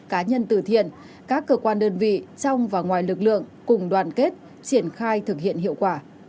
cá nhân từ thiện các cơ quan đơn vị trong và ngoài lực lượng cùng đoàn kết triển khai thực hiện hiệu quả